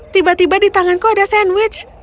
tiba tiba di tanganku ada sandwich